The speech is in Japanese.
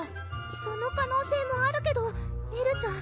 その可能性もあるけどエルちゃん